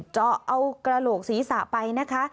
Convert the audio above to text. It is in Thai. เจาะเอากระโหลกศีรษะไปนะคะ